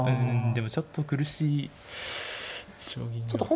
でもちょっと苦しい将棋になる。